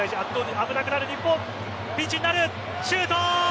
危なくなる日本ピンチになる。